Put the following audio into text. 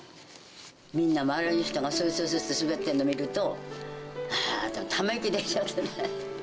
みんな周りの人が、すーすーすーすー滑ってるのを見ると、あーっとため息出ちゃってね。